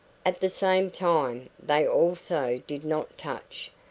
At the same time, they also did not touch.